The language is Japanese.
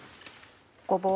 ごぼう。